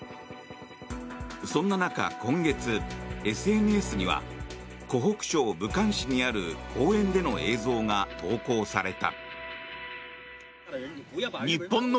そんな中、今月ＳＮＳには湖北省武漢市にある公園での映像が投稿された。